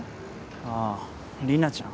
あぁ莉奈ちゃん。